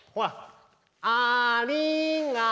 「ありがと」。